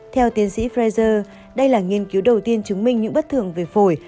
theo tiến sĩ pfizer đây là nghiên cứu đầu tiên chứng minh những bất thường về phổi